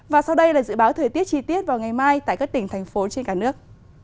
và sau đây là dự báo thời tiết chi tiết vào ngày mai tại các tỉnh thành phố trên cả nước